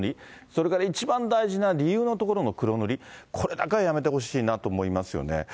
それから一番大事な理由のところも黒塗り、これだけはやめてほしいなと思いますよね。